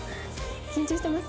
緊張してます？